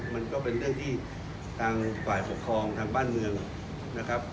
มันก็เป็นเรื่องที่ทางฝ่ายปกครองทางบ้านเมืองนะครับ